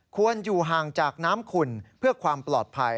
ควรอยู่ห่างจากน้ำขุ่นเพื่อความปลอดภัย